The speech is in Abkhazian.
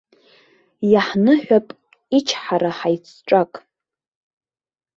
Иаҳныҳәап ичҳара ҳаицҿак!